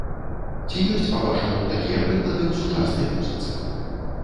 Ці ёсць па-вашаму такія прыклады ў сучаснай музыцы?